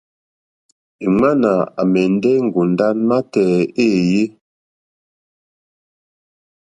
Èŋwánà àmɛ̀ndɛ́ ŋgòndá nátɛ̀ɛ̀ éèyé.